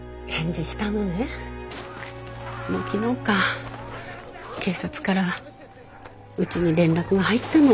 もう昨日か警察からうちに連絡が入ったの。